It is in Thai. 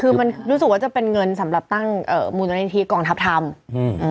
คือมันรู้สึกว่าจะเป็นเงินสำหรับตั้งเอ่อมูลนิธิกองทัพธรรมอืม